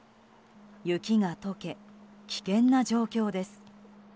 雪が解け、危険な状況です。